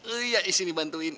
iya isi dibantuin